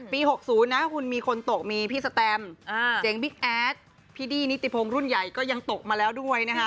๖๐นะคุณมีคนตกมีพี่สแตมเจ๋งบิ๊กแอดพี่ดี้นิติพงศ์รุ่นใหญ่ก็ยังตกมาแล้วด้วยนะคะ